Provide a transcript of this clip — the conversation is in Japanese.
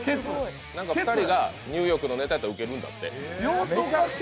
なんか二人がニューヨークのネタやったらウケるんやって。